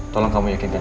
tolong kamu yakin diri